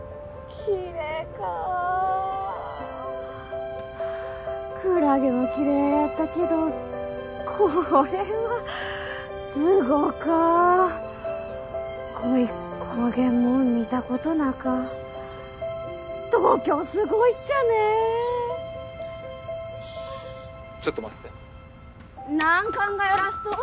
きれかクラゲもきれいやったけどこれはすごかおいこげんもん見たことなか東京すごいっちゃねよしちょっと待ってて何考えよらすと？